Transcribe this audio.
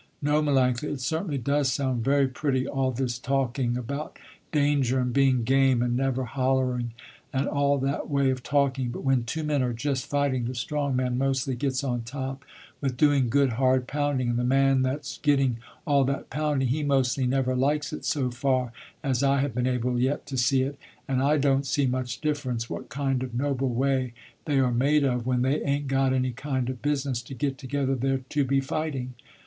No Melanctha, it certainly does sound very pretty all this talking about danger and being game and never hollering, and all that way of talking, but when two men are just fighting, the strong man mostly gets on top with doing good hard pounding, and the man that's getting all that pounding, he mostly never likes it so far as I have been able yet to see it, and I don't see much difference what kind of noble way they are made of when they ain't got any kind of business to get together there to be fighting.